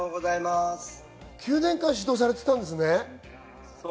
９年間指導されてたんですね。